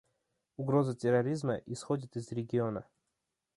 Угроза терроризма исходит из региона.